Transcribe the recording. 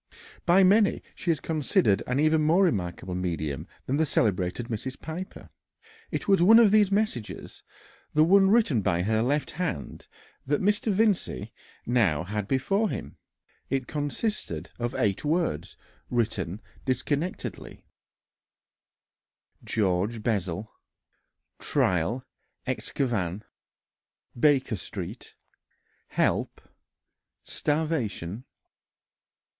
By many she is considered an even more remarkable medium than the celebrated Mrs. Piper. It was one of these messages, the one written by her left hand, that Mr. Vincey now had before him. It consisted of eight words written disconnectedly: "George Bessel ... trial excavn ... Baker Street ... help ... starvation."